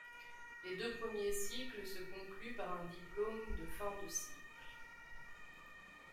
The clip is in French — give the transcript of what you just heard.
Les deux premiers cycles se concluent par un diplôme de fin de cycle.